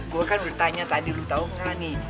gua kan udah tanya tadi lo tau gak nih